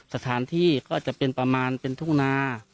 สถานที่ก็จะเป็นประมาณเป็นทุ่งนา